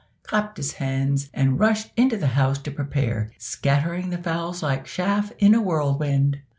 clapped his hands, and rushed into the house to prepare, scattering the fowls like chaff in a whirlwind.